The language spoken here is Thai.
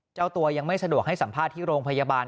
เจ้าตัวยังไม่สะดวกให้สัมภาษณ์ที่โรงพยาบาล